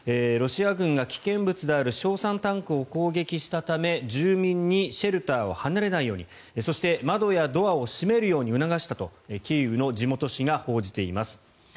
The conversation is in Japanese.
ロシア軍が危険物である硝酸タンクを攻撃したため住民にシェルターを離れないようにそして、窓やドアを閉めるように促したとキーウの地元紙が報じています。